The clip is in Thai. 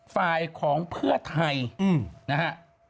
ฝ่ายของเพื่อไทยนะฮะ